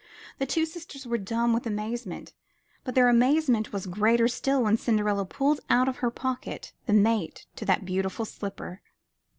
The two sisters were dumb with amazement, but their amazement was greater still when Cinderella pulled out of her pocket the mate to that beautiful slipper.